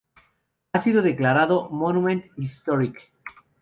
Ha sido declarado "monument historique".